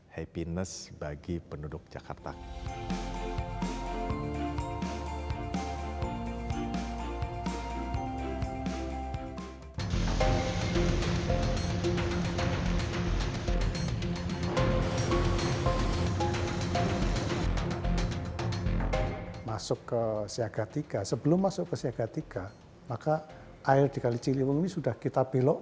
hei pak camat itu luar biasa ketika ada gerakan masyarakat yang baik